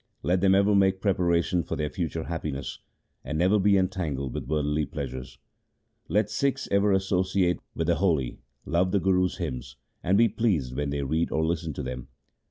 Let them ever make preparation for their future happiness, and never be entangled with worldly pleasures. Let Sikhs ever associate with the holy, love the Guru's hymns, and be pleased when they read or listen to them.